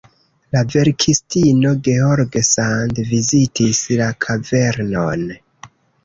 La verkistino George Sand vizitis la kavernon.